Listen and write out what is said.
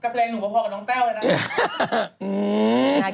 กำลังแบบฮีบนิดหนึ่ง